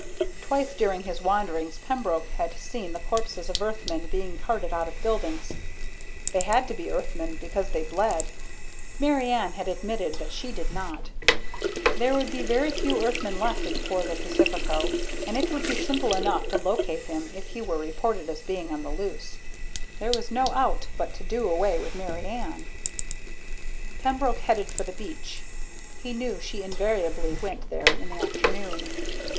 Twice during his wanderings Pembroke had seen the corpses of Earthmen being carted out of buildings. They had to be Earthmen because they bled. Mary Ann had admitted that she did not. There would be very few Earthmen left in Puerto Pacifico, and it would be simple enough to locate him if he were reported as being on the loose. There was no out but to do away with Mary Ann. Pembroke headed for the beach. He knew she invariably went there in the afternoon.